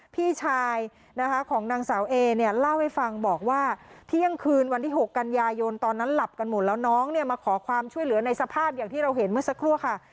พี่ชายนะคะของนางสาวเอเนี่ยเล่าให้ฟังบอกว่าเที่ยงคืนวันที่๖กันยายนตอนนั้นหลับกันหมดแล้วน้องเนี่ยมาขอความช่วยเหลือในสภาพอย่างที่เราเห็นเมื่อสักครู่ค่ะ